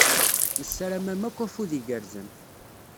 Nessaram-am akk afud igerrzen.